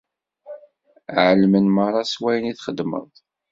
Ԑelmen merra s wayen i txedmeḍ.